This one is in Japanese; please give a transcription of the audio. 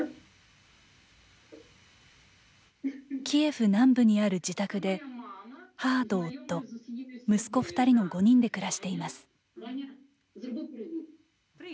キエフ南部にある自宅で母と夫、息子２人の５人で暮らしています。